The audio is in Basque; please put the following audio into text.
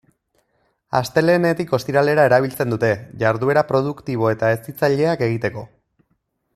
Astelehenetik ostiralera erabiltzen dute, jarduera produktibo eta hezitzaileak egiteko.